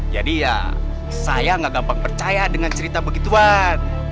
jadi ya saya gak gampang percaya dengan cerita begituan